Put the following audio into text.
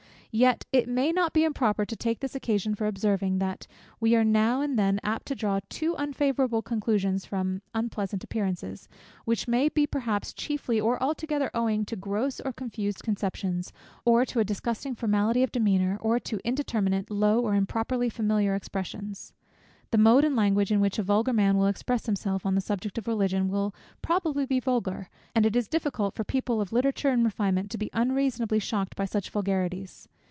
Yet it may not be improper to take this occasion for observing, that we are now and then apt to draw too unfavourable conclusions from unpleasant appearances, which may perhaps be chiefly or altogether owing to gross or confused conceptions, or to a disgusting formality of demeanor, or to indeterminate, low, or improperly familiar expressions. The mode and language, in which a vulgar man will express himself on the subject of Religion, will probably be vulgar, and it is difficult for people of literature and refinement not to be unreasonably shocked by such vulgarities.